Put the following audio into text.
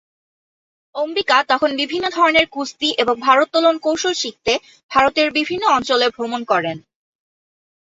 অম্বিকা তখন বিভিন্ন ধরনের কুস্তি এবং ভারোত্তোলন কৌশল শিখতে ভারতের বিভিন্ন অঞ্চলে ভ্রমণ করেন।